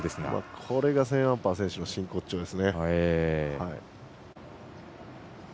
これがセーンアンパー選手の真骨頂です。